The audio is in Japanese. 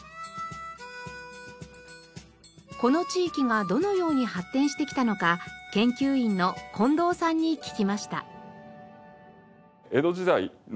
この地域がどのように発展してきたのか研究員の近藤さんに聞きました。